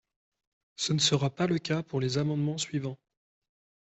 Ce ne sera pas le cas pour les amendements suivants.